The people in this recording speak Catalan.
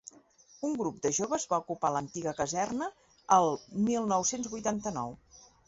Un grup de joves va ocupar l’antiga caserna el mil nou-cents vuitanta-nou.